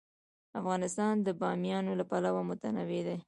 افغانستان د بامیان له پلوه متنوع دی.